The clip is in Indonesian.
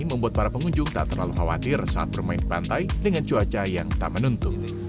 membuat para pengunjung tak terlalu khawatir saat bermain di pantai dengan cuaca yang tak menentu